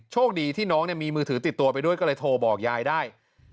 โชคดีที่น้องมีมือถือติดตัวไปด้วยก็เลยโทรบอกยายได้